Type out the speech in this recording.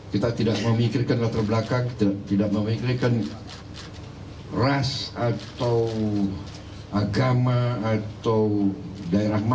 kita tidak memikirkan latar belakang tidak memikirkan ras atau agama atau daerah mana